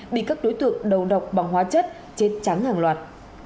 bị các đối tượng đầu độc bằng hóa chất trắng hàng loạt